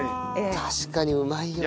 確かにうまいよな。